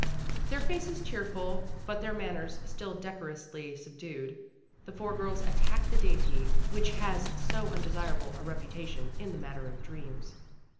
Their faces cheerful, but their manners still decorously subdued, the four girls attacked the dainty which has so undesirable a reputation in the matter of dreams.